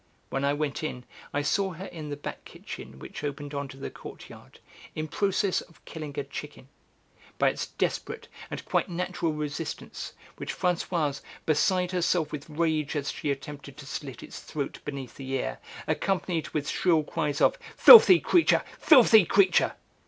When I went in, I saw her in the back kitchen which opened on to the courtyard, in process of killing a chicken; by its desperate and quite natural resistance, which Françoise, beside herself with rage as she attempted to slit its throat beneath the ear, accompanied with shrill cries of "Filthy creature! Filthy creature!"